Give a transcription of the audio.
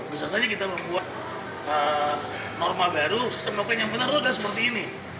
bisa saja kita membuat norma baru sistem noken yang benar itu sudah seperti ini